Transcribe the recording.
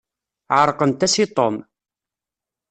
Ɛeṛqent-as i Tom.